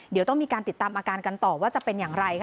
เดี๋ยวต้องมีการติดตามอาการกันต่อว่าจะเป็นอย่างไร